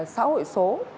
xã hội số